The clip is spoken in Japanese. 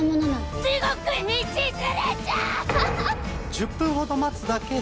１０分ほど待つだけで